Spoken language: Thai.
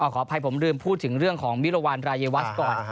ขออภัยผมลืมพูดถึงเรื่องของมิรวรรณรายวัชก่อน